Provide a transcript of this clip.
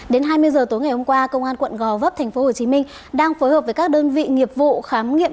đến hai mươi giờ tối ngày hôm qua công an quận gò vấp tp hcm đang phối hợp với các đơn vị nghiệp vụ khám nghiệm